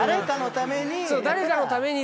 誰かのために。